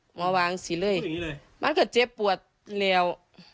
หมอวางสิเลยมันก็เจ็บปวดแล้ว